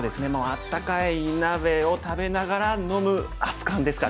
温かい鍋を食べながら飲む熱かんですかね。